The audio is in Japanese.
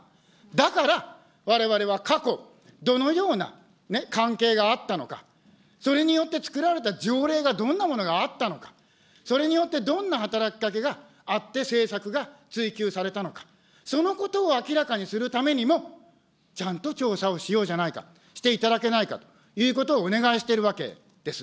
だから、われわれは過去、どのような関係があったのか、それによってつくられた条例がどんなものがあったのか、それによってどんな働きかけがあって、政策がついきゅうされたのか、そのことを明らかにするためにも、ちゃんと調査をしようじゃないか、していただけないかということをお願いしているわけです。